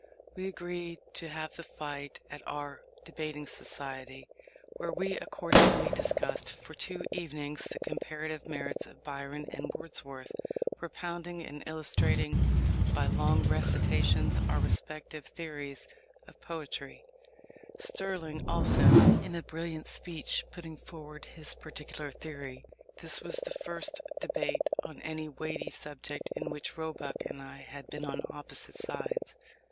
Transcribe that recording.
We agreed to have the fight out at our Debating Society, where we accordingly discussed for two evenings the comparative merits of Byron and Wordsworth, propounding and illustrating by long recitations our respective theories of poetry: Sterling also, in a brilliant speech, putting forward his particular theory. This was the first debate on any weighty subject in which Roebuck and I had been on opposite sides.